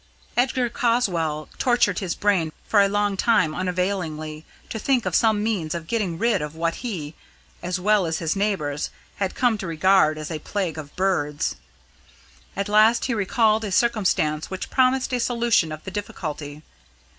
Edgar Caswall tortured his brain for a long time unavailingly, to think of some means of getting rid of what he, as well as his neighbours, had come to regard as a plague of birds. At last he recalled a circumstance which promised a solution of the difficulty.